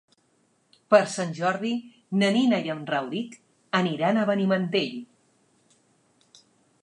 Per Sant Jordi na Nina i en Rauric aniran a Benimantell.